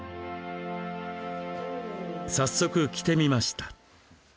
早速、着てみました。